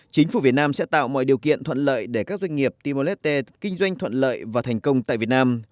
chính phủ việt nam sẽ tạo mọi điều kiện thuận lợi để các doanh nghiệp timor leste kinh doanh thuận lợi và thành công tại việt nam